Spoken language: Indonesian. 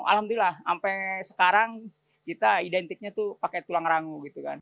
alhamdulillah sampai sekarang kita identiknya pakai tulang rangu